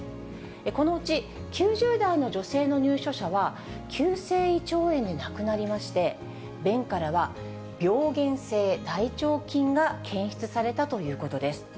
このうち９０代の女性の入所者は、急性胃腸炎で亡くなりまして、便からは、病原性大腸菌が検出されたということです。